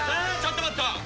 ちょっと待った！